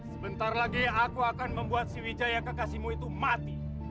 sebentar lagi aku akan membuat si wijaya kakakmu itu mati